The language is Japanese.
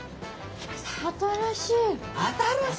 新しい！